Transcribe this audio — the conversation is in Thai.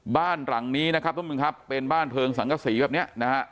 บ้านหลังนี้มันเป็นบ้านเพลิงสั่งกระสีแบบนี้